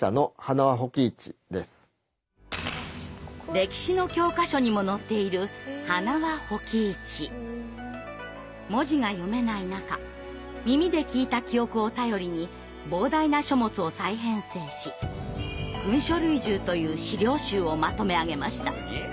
歴史の教科書にも載っている文字が読めない中耳で聞いた記憶を頼りに膨大な書物を再編成し「群書類従」という史料集をまとめ上げました。